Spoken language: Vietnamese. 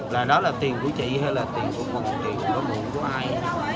là đó là tiền của chị hay là tiền của con tiền của con của ai